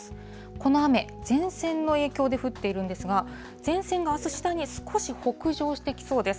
この雨、前線の影響で降っているんですが、前線があす、次第に少し北上してきそうです。